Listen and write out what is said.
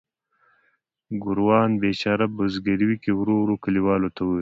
ګوروان بیچاره په زګیروي کې ورو ورو کلیوالو ته وویل.